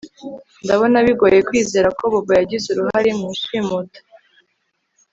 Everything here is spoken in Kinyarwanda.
Ndabona bigoye kwizera ko Bobo yagize uruhare mu ishimutwa